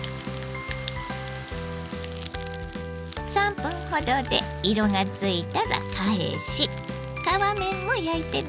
３分ほどで色がついたら返し皮面も焼いてね。